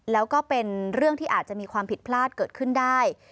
แล้วก็เป็นเรื่องที่อาจจะมีความผิดพลาดเกิดขึ้นได้